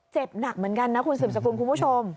เจ็บหนักเหมือนกันนะคุณสืบสกุลคุณผู้ชม